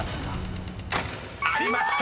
［ありました。